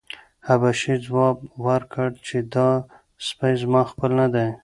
حبشي ځواب ورکړ چې دا سپی زما خپل نه دی.